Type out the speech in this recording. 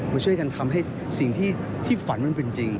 มาช่วยกันทำให้สิ่งที่ฝันมันเป็นจริง